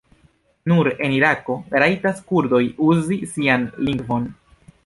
Nur en Irako rajtas kurdoj uzi sian lingvon.